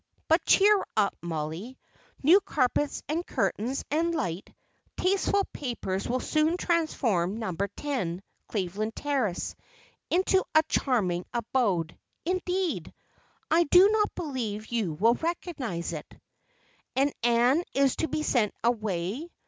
But cheer up, Mollie; new carpets and curtains, and light, tasteful papers will soon transform Number Ten, Cleveland Terrace, into a charming abode indeed, I do not believe you will recognise it." "And Ann is to be sent away?